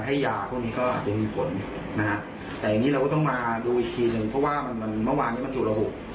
แต่อย่างนี้เราก็ต้องมาดูอีกทีหนึ่งเพราะว่าเมื่อวานนี้มันถูกระหก